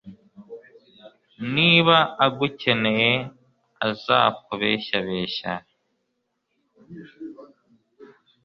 niba agukeneye azakubeshyabeshya